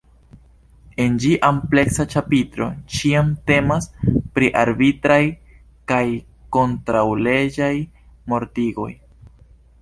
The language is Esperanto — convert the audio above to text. En ĝi ampleksa ĉapitro ĉiam temas pri “arbitraj kaj kontraŭleĝaj mortigoj.